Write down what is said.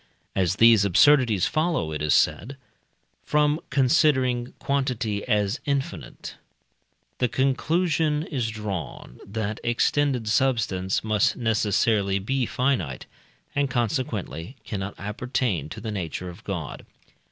As these absurdities follow, it is said, from considering quantity as infinite, the conclusion is drawn, that extended substance must necessarily be finite, and, consequently, cannot appertain to the nature of God.